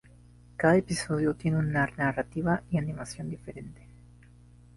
Cada episodio tiene una narrativa y animación diferente.